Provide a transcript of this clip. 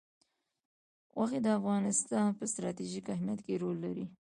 غوښې د افغانستان په ستراتیژیک اهمیت کې رول لري.